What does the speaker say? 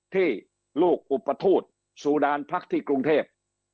ที่ลูกอุปทูตซูดานพักที่กรุงเทพ